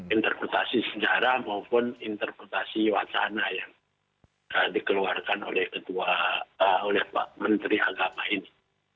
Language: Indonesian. interpretasi sejarah maupun interpretasi wacana yang dikeluarkan oleh pak menteri agama ini